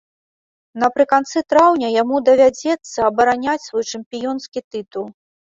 Напрыканцы траўня яму давядзецца абараняць свой чэмпіёнскі тытул.